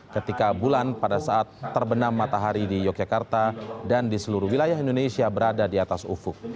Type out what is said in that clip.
ketika bulan pada saat terbenam matahari di yogyakarta dan di seluruh wilayah indonesia berada di atas ufuk